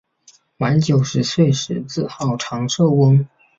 满九十岁时自号长寿翁。